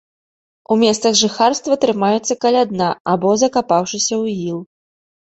У месцах жыхарства трымаюцца каля дна або закапаўшыся ў іл.